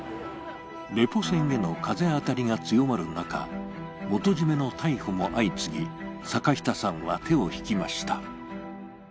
レポ船への風当たりが強まる中、元締めの逮捕も相次ぎ、坂下さんは手を引きました。